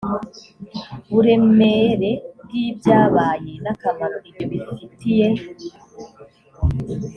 buremere bw ibyabaye n akamaro ibyo bifitiye